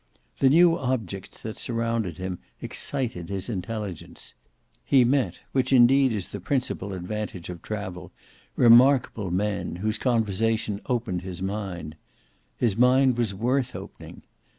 The new objects that surrounded him excited his intelligence; he met, which indeed is the principal advantage of travel, remarkable men, whose conversation opened his mind. His mind was worth opening.